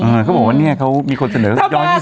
เหมือนเนี่ยเขามีคนเสนอรอบ๒๐ล้าน